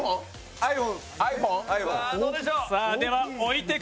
ｉＰｈｏｎｅ。